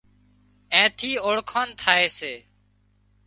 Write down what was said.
اين ٿي اوۯکاڻ ٿائي سي